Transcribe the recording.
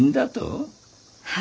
はい。